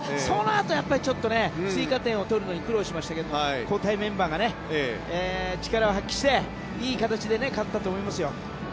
そのあと、やっぱりちょっと追加点を取るのに苦労しましたが交代メンバーが力を発揮していい形で勝ったと思いますよ。